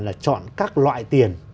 là chọn các loại tiền